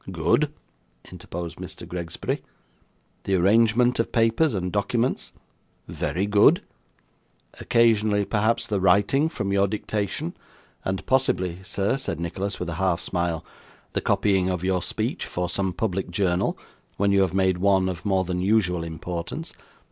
'Good,' interposed Mr. Gregsbury. 'The arrangement of papers and documents?' 'Very good.' 'Occasionally, perhaps, the writing from your dictation; and possibly, sir,' said Nicholas, with a half smile, 'the copying of your speech for some public journal, when you have made one of more than usual importance.